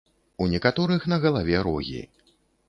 У некаторых на галаве рогі.